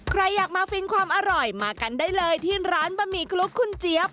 ใครอยากมาฟินความอร่อยมากันได้เลยที่ร้านบะหมี่กลุกคุณเจี๊ยบ